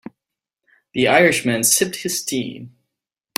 The Irish man sipped his tea.